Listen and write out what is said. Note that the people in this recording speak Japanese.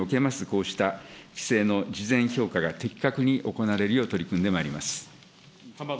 こうした規制の事前評価が的確に行われるよう、取り組んでまいります。